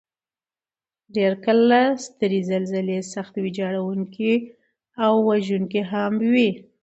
ډېر کله سترې زلزلې سخت ویجاړونکي او وژونکي هم وي.